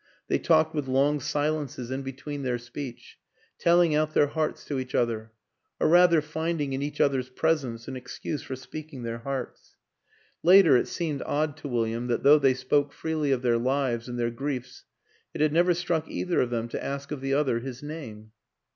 They talked with long silences in between their speech, telling out their hearts to each other; or rather finding in each other's presence an excuse for speaking their hearts. Later it seemed odd to William that though they spoke freely of their lives and their griefs it had never struck either of them to ask of the other his name.